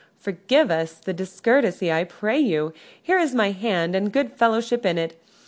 Forgive us the discourtesy, I pray you. Here is my hand and good fellowship in it.